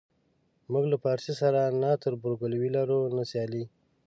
موږ له پارسي سره نه تربورګلوي لرو نه سیالي.